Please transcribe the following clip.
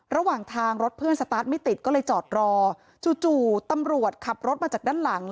ระหว่างทางรถเพื่อนสตาร์ทไม่ติดก็เลยจอดรอจู่ตำรวจขับรถมาจากด้านหลัง